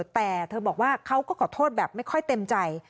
แต่เธอบอกว่าเขาก็ขอโทษแบบไม่ค่อยเต็มใจ